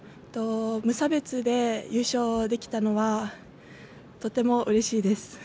無差別で優勝できたのはとてもうれしいです。